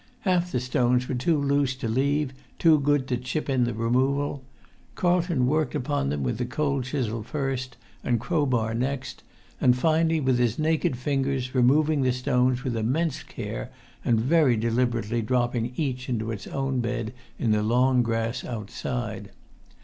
Half the stones were too loose to leave, too good to chip in the removal. Carlton worked upon them with the cold chisel first, the crowbar next, and finally with his naked fingers, removing the stones with immense care, and very delib[Pg 118]erately dropping each into its own bed in the long grass outside.